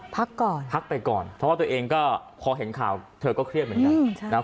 พักก่อนพักไปก่อนเพราะว่าตัวเองก็พอเห็นข่าวเธอก็เครียดเหมือนกันนะครับ